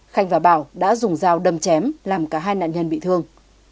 khanh và bảo đã dùng dao đâm chém làm cả hai nạn nhân bị thương